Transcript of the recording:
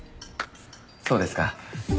そうですか。